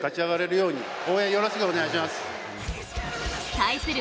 対する